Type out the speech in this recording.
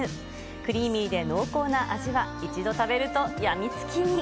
クリーミーで濃厚な味は一度食べると病みつきに。